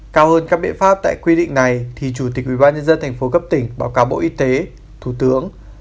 cao hơn các biện pháp tại quy định này thì chủ tịch ubnd tp cấp tỉnh báo cáo bộ y tế thủ tướng